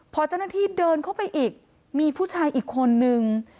พอเจ้าหน้าที่เดินเข้าไปอีกมีผู้ชายอีกคนนึง